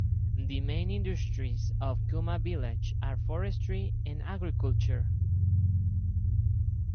The main industries of Kuma Village are forestry and agriculture.